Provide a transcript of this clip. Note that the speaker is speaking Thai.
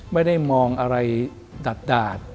ไม่ได้มองอะไรดาด